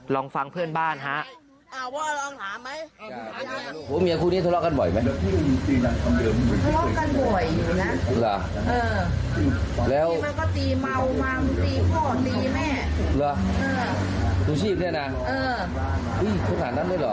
ลองฟังเพื่อนบ้านฮะ